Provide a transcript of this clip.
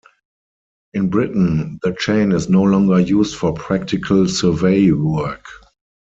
In Britain, the chain is no longer used for practical survey work.